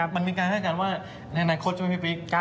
มันมีการคาดการณ์ว่าในอนาคตจะมีปีก